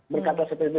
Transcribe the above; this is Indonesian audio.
berkata seperti itu